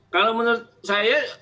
kalau menurut saya